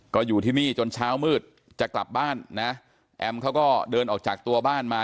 ก็อยู่ที่นี่จนเช้ามืดจะกลับบ้านนะแอมเขาก็เดินออกจากตัวบ้านมา